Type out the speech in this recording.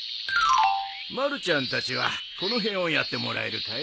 まるちゃんたちはこの辺をやってもらえるかい？